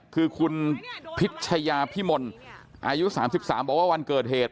คือคุณพิชยาพิมลอายุ๓๓บอกว่าวันเกิดเหตุ